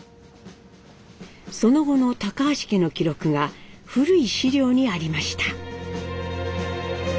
その後の橋家の記録が古い資料にありました。